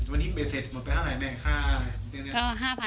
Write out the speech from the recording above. วันนี้เสร็จหมดไปเท่าไหร่แม่ค่า